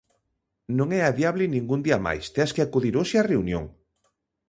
Non é adiable ningún día máis, tes que acudir hoxe á reunión.